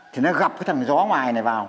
thì nó gặp cái thằng gió ngoài này vào